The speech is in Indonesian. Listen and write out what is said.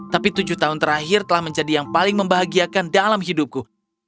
tapi tujuh tahun terakhir telah menjadi yang paling membahagiakan dalam hidupku